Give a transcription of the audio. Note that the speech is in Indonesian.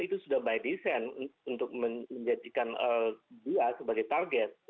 itu sudah by design untuk menjadikan dia sebagai target